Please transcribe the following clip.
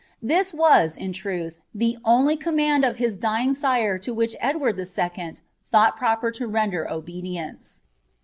This was, in truth, the only command of hia dying aire to which Edward II. thought proper to render obedience.